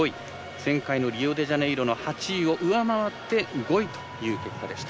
前回のリオデジャネイロの８位を上回って５位という結果でした。